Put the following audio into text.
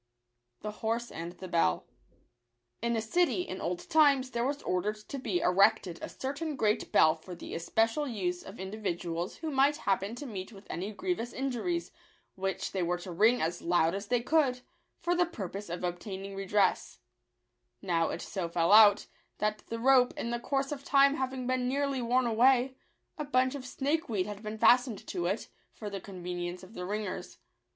126 nvr' Tr m rr p TK mn r ^\yn\ (I if " Digitized by v^ooQle ®| )t $f>or*e anti tf)e 3$eM* a * n t * mes there was or dered to be erected a certain great bell for the especial use of individuals 21 who might happen to meet with any grievous injuries, which they were to ring as loud as they could, for the purpose of obtaining redress. Now it so fell out, that the rope, in the course of time having been nearly worn away, a bunch of snakeweed had been fastened to it, for the con venience of the ringers.